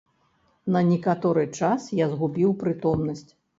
На некаторы час я згубіў прытомнасць.